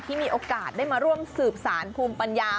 มีโอกาสได้มาร่วมสืบสารภูมิปัญญา